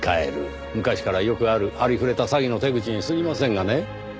昔からよくあるありふれた詐欺の手口に過ぎませんがね。